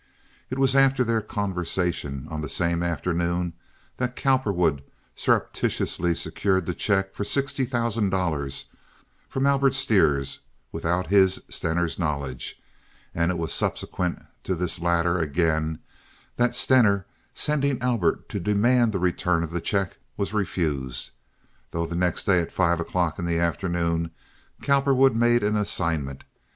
It was after their conversation on the same afternoon that Cowperwood surreptitiously secured the check for sixty thousand dollars from Albert Stires without his (Stener's) knowledge; and it was subsequent to this latter again that Stener, sending Albert to demand the return of the check, was refused, though the next day at five o'clock in the afternoon Cowperwood made an assignment.